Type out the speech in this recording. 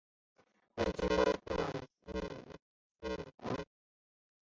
魏博军包围内黄。